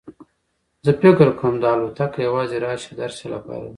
زه فکر کوم دا الوتکه یوازې راشه درشه لپاره ده.